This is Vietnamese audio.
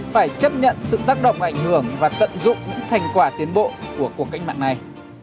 phải chấp nhận sự tác động ảnh hưởng và tận dụng những thành quả tiến bộ của cuộc cách mạng này